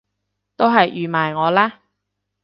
都係預埋我啦！